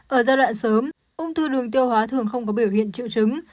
ở giai đoạn sớm ung thư đường tiêu hóa thường không có biểu hiện triệu chứng